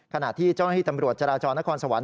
ขณะที่เจ้าหน้าที่ตำรวจจราจรนครสวรรค